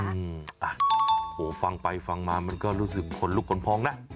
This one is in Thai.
อืมอ่ะโหฟังไปฟังมามันก็รู้สึกขนลุกขนพองนะ